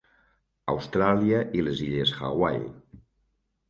Austràlia i les illes Hawaii.